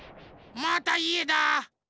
またいえだ！